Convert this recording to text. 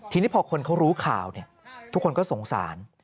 ทีนี้พอคนเขารู้ข่าวทุกคนก็สงสาร